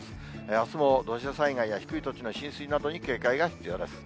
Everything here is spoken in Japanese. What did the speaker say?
あすも土砂災害や低い土地の浸水などに警戒が必要です。